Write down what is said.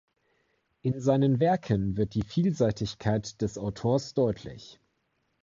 In seinen Werken wird die Vielseitigkeit des Autors deutlich.